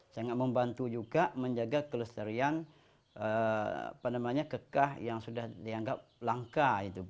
sangat membantu juga menjaga kelestarian kekah yang sudah dianggap langka